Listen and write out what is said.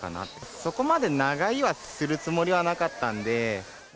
そこまで長居はするつもりはなかったんで。